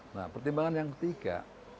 nah pertimbangan yang ketiga